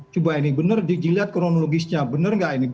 coba ini bener dilihat kronologisnya bener nggak ini